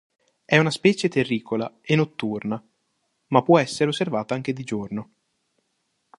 È una specie terricola e notturna, ma può essere osservata anche di giorno.